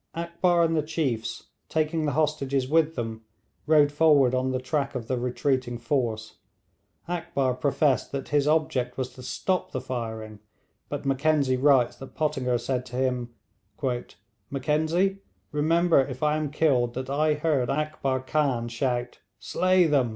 Akbar and the chiefs, taking the hostages with them, rode forward on the track of the retreating force. Akbar professed that his object was to stop the firing, but Mackenzie writes that Pottinger said to him: 'Mackenzie, remember if I am killed that I heard Akbar Khan shout "Slay them!"